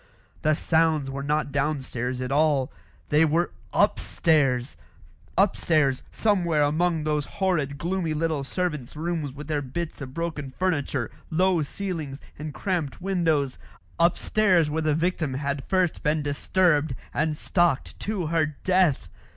The sounds were not downstairs at all; they were upstairs upstairs, somewhere among those horrid gloomy little servants' rooms with their bits of broken furniture, low ceilings, and cramped windows upstairs where the victim had first been disturbed and stalked to her death.